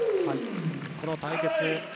この対決。